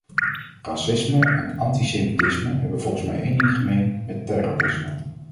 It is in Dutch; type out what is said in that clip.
Racisme en antisemitisme hebben volgens mij één ding gemeen met terrorisme.